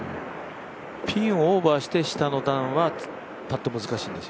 ピンをオーバーして下の段をパットは難しいんです。